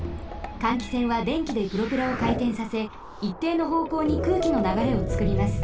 換気扇はでんきでプロペラをかいてんさせいっていのほうこうに空気のながれをつくります。